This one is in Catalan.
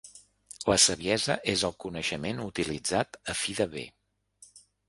La saviesa és el coneixement utilitzat a fi de bé.